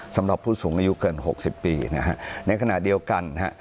สำหรับผู้สูงอายุเกิน๖๐ปีในขณะเดียวกัน